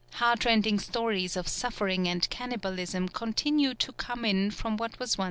Heart rending stories of suffering and cannibalism continue to come in from what was once the buffalo plains.